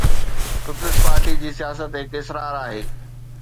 Peoples Party جي سياست هڪ اسرار آهي.